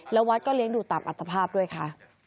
แล้ววัดก็เลี้ยงดูตามอัตภาพด้วยค่ะ